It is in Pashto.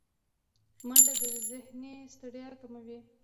منډه د ذهني ستړیا کموي